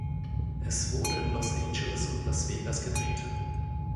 Es wurde in Los Angeles und Las Vegas gedreht.